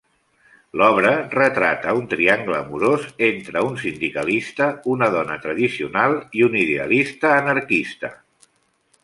L'obra retrata un triangle amorós entre un sindicalista, una dona tradicional i un idealista anarquista.